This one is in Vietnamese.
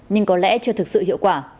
nhưng có lẽ chưa thực sự hiệu quả